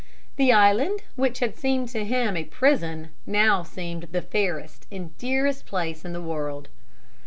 The island which had seemed to him a prison now seemed the fairest and dearest place in the world.